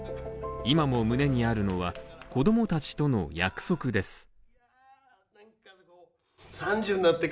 今も胸にあるのは、子供たちとの約束です。